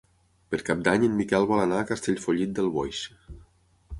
Per Cap d'Any en Miquel vol anar a Castellfollit del Boix.